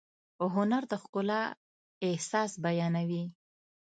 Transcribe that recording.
هنر د ښکلا احساس بیانوي.